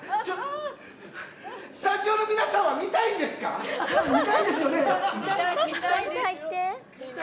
スタジオの皆さんは見たいですよね？